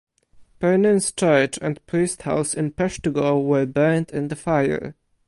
Pernin’s church and priest house in Peshtigo were burned in the fire.